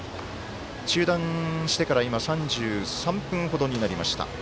中断してから３３分ほどになりました。